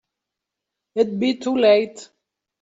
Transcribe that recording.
It'd be too late.